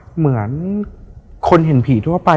เหมือนคนเห็นผีทั่วไป